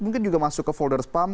mungkin juga masuk ke folder spam